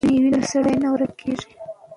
که نوم وي نو سړی نه ورکېږي.